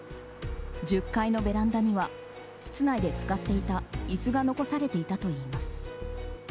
１０階のベランダには室内で使っていた椅子が残されていたといいます。